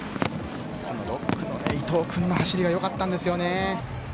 ６区の伊藤君の走りがよかったんですよね。